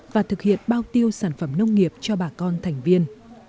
và thực hiện bao tiêu sản phẩm nông nghiệp cho bà con thành viên